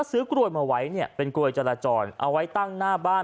ซื้อกลวยจราจรเอาไว้ตั้งหน้าบ้าน